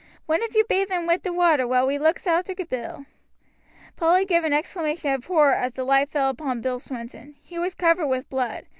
One of you bathe un wi' the water while we looks arter Bill." Polly gave an exclamation of horror as the light fell upon Bill Swinton. He was covered with blood.